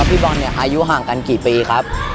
พี่ป๋อครับพี่บอลอายุห่างกันกี่ปีครับ